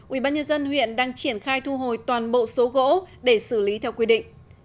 ubnd huyện đang triển khai thu hồi toàn bộ số gỗ để xử lý theo quy định